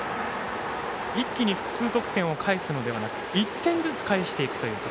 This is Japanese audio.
一気に複数得点を返すのではなく１点ずつ返していくという形。